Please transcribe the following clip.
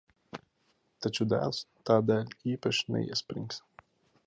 Taču dēls tā dēļ īpaši neiesprings.